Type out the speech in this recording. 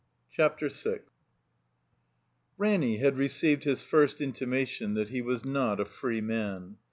CHAPTER VI RANNY had received his first intimation that he was not a free man.